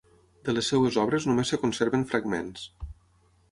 De les seves obres només es conserven fragments.